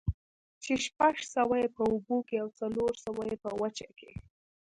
چې شپږ سوه ئې په اوبو كي او څلور سوه ئې په وچه كي